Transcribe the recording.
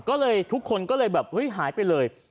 ก็เลยทุกคนก็เลยแบบเฮ้ยหายไปเลย